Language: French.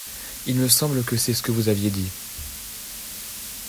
Il me semble que c’est ce que vous aviez dit.